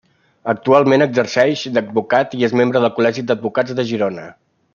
Actualment exerceix d'advocat i és membre del Col·legi d'Advocats de Girona.